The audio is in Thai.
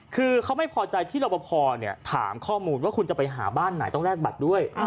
คือเขาไม่พอใจที่รับประพอถามข้อมูลว่าคุณจะไปหาบ้านไหนต้องแลกบัตรด้วย